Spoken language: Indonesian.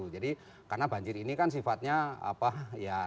jadi karena banjir ini kan sifatnya apa ya